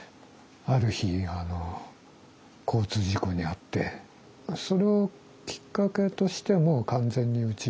ある日あの交通事故に遭ってそれをきっかけとしてもう完全に家猫にして。